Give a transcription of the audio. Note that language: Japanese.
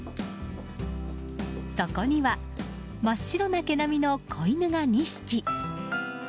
そこには、真っ白な毛並みの子犬が２匹。